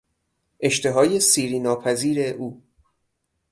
اشتهای سیری ناپذیر او